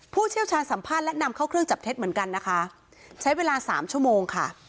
เชี่ยวชาญสัมภาษณ์และนำเข้าเครื่องจับเท็จเหมือนกันนะคะใช้เวลาสามชั่วโมงค่ะ